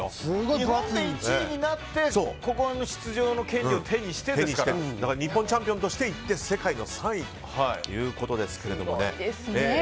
日本で１位になってここの出場の権利を日本チャンピオンとして行って世界の３位ということですけども。